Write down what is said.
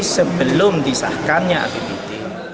sebelum disahkannya apbd